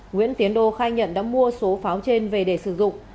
nguyễn tiến đô khai nhận đã mua số pháo trên về để sử dụng